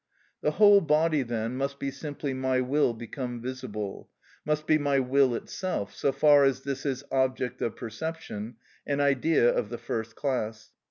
The whole body, then, must be simply my will become visible, must be my will itself, so far as this is object of perception, an idea of the first class.